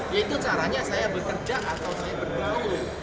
yaitu caranya saya bekerja atau saya bergaul